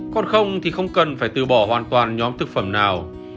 còn không thì không cần phải từ bỏ hoàn toàn nhóm thực phẩm nào